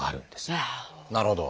なるほど。